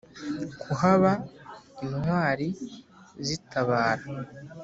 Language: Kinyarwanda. kuhaba intwari zitabara.